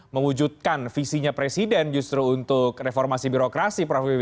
mengwujudkan visinya presiden justru untuk reformasi birokrasi prof wb